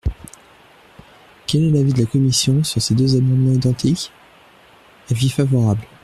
Quel est l’avis de la commission sur ces deux amendements identiques ? Avis favorable.